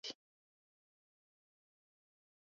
Jabesh was also a city in Gilead.